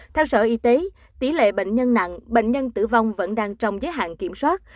theo sở y tế tỷ lệ bệnh nhân nặng bệnh nhân tử vong vẫn đang trong giới hạn kiểm soát